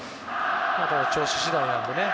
調子次第なのでね。